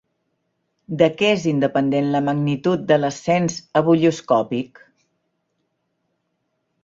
De què és independent la magnitud de l'ascens ebullioscòpic?